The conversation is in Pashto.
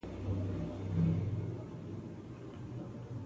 د خبرو واک باید وپېژندل شي